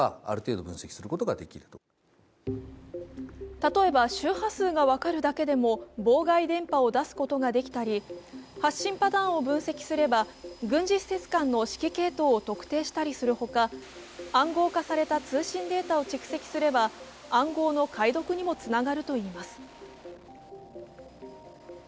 例えば周波数が分かるだけでも妨害電波を出すことができたり発信パターンを分析すれば軍事施設間の指揮系統を特定したりするほか暗号化された通信データを蓄積すれば暗号の解読にもつながるといいます。